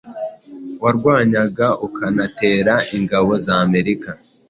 warwanyaga ukanatera ingabo za Amerika